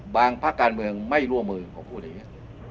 บางภาคการเมืองไม่ร่วมมือผมพูดอย่างนี้